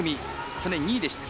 去年２位でした。